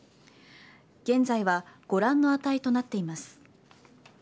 現在はご覧の値となっています。